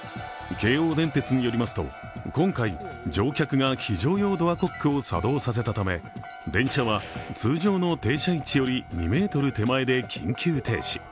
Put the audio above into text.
京王電鉄によりますと今回、乗客が非常用ドアコックを作動させたため、電車は通常の停車位置より２ｍ手前で緊急停止。